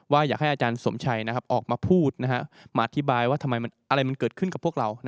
อยากให้อาจารย์สมชัยออกมาพูดมาอธิบายว่าทำไมอะไรมันเกิดขึ้นกับพวกเรา